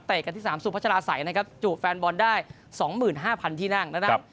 เตะกันที่สามสุดพัชราใสนะครับจูบแฟนบอลได้สองหมื่นห้าพันที่นั่งนะครับ